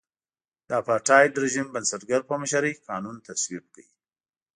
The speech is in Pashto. د اپارټایډ رژیم بنسټګر په مشرۍ قانون تصویب کړ.